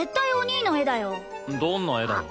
どんな絵だよ？